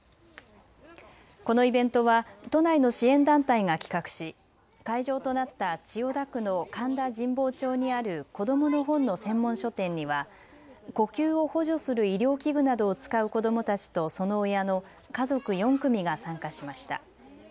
このイベントは都内の支援団体が企画し会場となった千代田区の神田神保町にある子どもの本の専門書店には呼吸を補助する医療器具などを使う子どもたちとその親の家族４組が参加しました。